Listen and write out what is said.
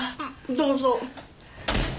どうぞ。